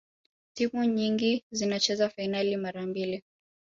timu nyingi zinacheza fainali mara mbili